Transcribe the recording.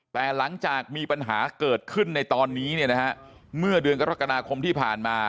แต่หลังจากมีปัญหาเกิดขึ้นในตอนนี้เนี่ยนะฮะเมื่อเดือนกรกฎาคมที่ผ่านมา